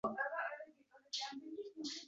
Tish shifokori siz uchun deyarli bepul